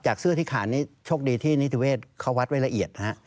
เสื้อที่ขาดนี่โชคดีที่นิติเวศเขาวัดไว้ละเอียดนะฮะ